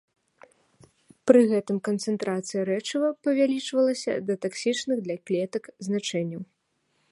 Пры гэтым канцэнтрацыя рэчыва павялічвалася да таксічных для клетак значэнняў.